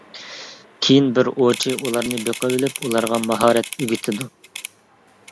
كېيىن بىر ئوۋچى ئۇلارنى بېقىۋېلىپ، ئۇلارغا ماھارەت ئۆگىتىدۇ.